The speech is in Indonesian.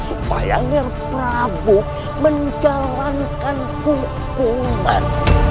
supaya nger prabu menjalankan hukuman